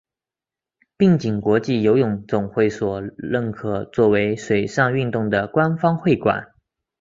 并经国际游泳总会所认可作为水上运动的官方会馆。